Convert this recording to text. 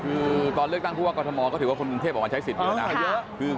คือตอนเลือกตั้งผู้ว่ากรทมก็ถือว่าคุณกรุงเทพออกมาใช้สิทธิ์เยอะนะ